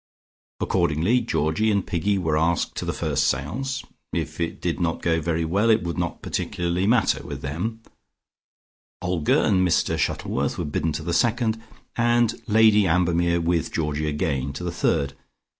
Accordingly Georgie and Piggy were asked to the first seance (if it did not go very well, it would not particularly matter with them), Olga and Mr Shuttleworth were bidden to the second, and Lady Ambermere with Georgie again to the third.